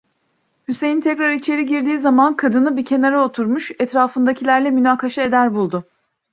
Hüseyin tekrar içeri girdiği zaman kadını, bir kenara oturmuş, etrafındakilerle münakaşa eder buldu.